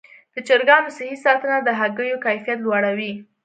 د چرګانو صحي ساتنه د هګیو کیفیت لوړوي.